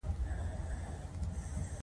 سړي د ښځو خبرې مني او درناوی ورته کوي